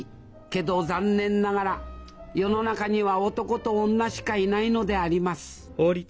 けど残念ながら世の中には男と女しかいないのであります